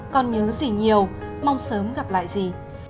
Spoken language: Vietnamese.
con nhớ dì nhiều mong sớm gặp lại dì